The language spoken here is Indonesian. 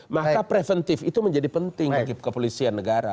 maka preventif itu menjadi penting bagi kepolisian negara